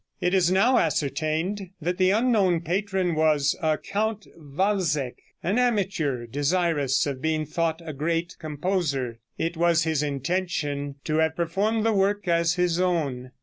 It is now ascertained that the unknown patron was a Count Walsegg, an amateur desirous of being thought a great composer. It was his intention to have performed the work as his own.